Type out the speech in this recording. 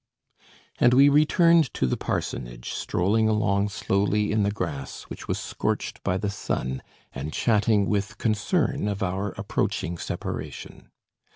And we returned to the parsonage, strolling along slowly in the grass, which was scorched by the sun, and chatting with concern of our approaching separation.